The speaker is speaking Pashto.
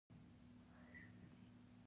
پوځونه روان کړي دي.